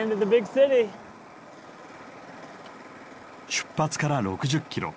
出発から６０キロ。